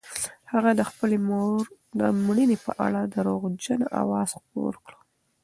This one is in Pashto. هغه د خپلې مور د مړینې په اړه درواغجنه اوازه خپره کړه.